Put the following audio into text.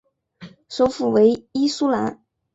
首府为伊苏兰。